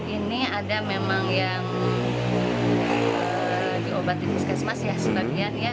ini ada memang yang diobati poskesmas ya sebagian ya